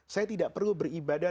saya tidak perlu beribadah